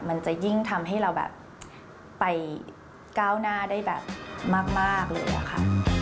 มันจะยิ่งทำให้เราแบบไปก้าวหน้าได้แบบมากเลยอะค่ะ